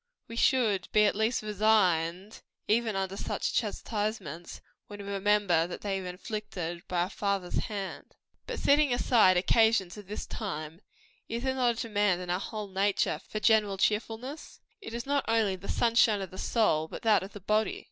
We should be at least resigned, even under such chastisements, when we remember they are inflicted by a Father's hand. But setting aside occasions of this kind, is there not a demand on our whole nature, for general cheerfulness? It is not only the "sunshine of the soul," but that of the body.